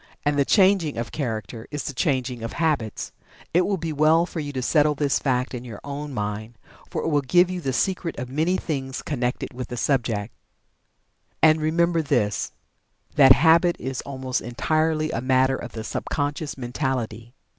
And the changing of Character is the changing of Habits. It will be well for you to settle this fact in your own mind, for it will give you the secret of many things connected with the subject. And, remember this, that Habit is almost entirely a matter of the sub conscious mentality.